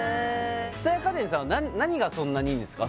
蔦屋家電さんは何がそんなにいいんですか？